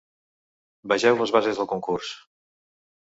Vegeu les bases del concurs.